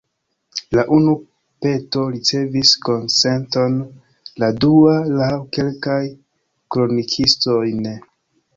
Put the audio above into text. La unu peto ricevis konsenton, la dua, laŭ kelkaj kronikistoj, ne.